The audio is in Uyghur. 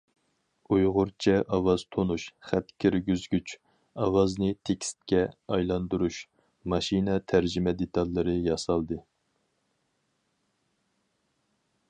ئۇيغۇرچە ئاۋاز تونۇش، خەت كىرگۈزگۈچ، ئاۋازنى تېكىستكە ئايلاندۇرۇش، ماشىنا تەرجىمە دېتاللىرى ياسالدى.